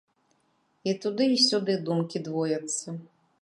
І туды й сюды думкі двояцца.